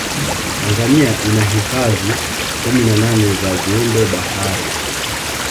tanzania ina hifadhi kumi na nane za viumbe bahari